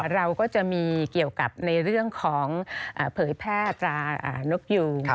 เราก็จะมีเกี่ยวกับในเรื่องของเผยแพร่ตรานกยูง